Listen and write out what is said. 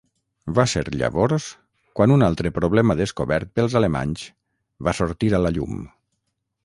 Va ser llavors quan un altre problema descobert pels alemanys va sortir a la llum.